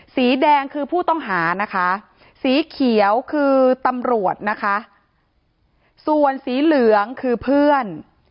สีแดงคือผู้ต้องหานะคะสีเขียวคือตำรวจนะคะส่วนสีเหลืองคือเพื่อน